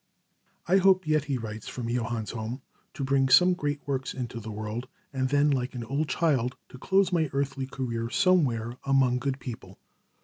"I hope yet," he writes from Johann's home, "to bring some great works into the world, and then like an old child, to close my earthly career somewhere among good people."